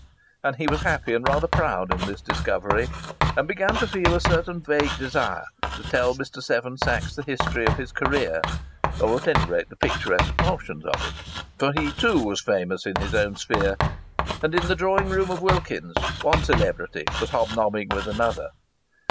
And he was happy and rather proud in this discovery, and began to feel a certain vague desire to tell Mr. Seven Sachs the history of his career or at any rate the picturesque portions of it. For he too was famous in his own sphere; and in the drawing room of Wilkins's one celebrity was hob nobbing with another!